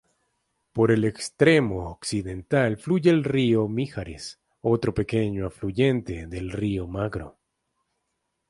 Por el extremo occidental fluye el río Mijares, otro pequeño afluente del río Magro.